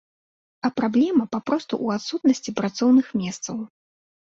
А праблема папросту ў адсутнасці працоўных месцаў!